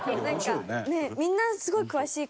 みんなすごい詳しいから。